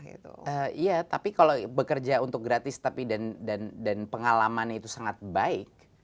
iya tapi kalau bekerja untuk gratis dan pengalaman itu sangat baik